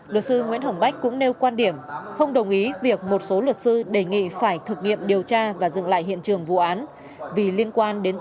luật sư nguyễn hồng bách cũng nêu quan điểm không đồng ý việc một số luật sư đề nghị phải thực nghiệm điều tra và dừng lại hiện trường vụ án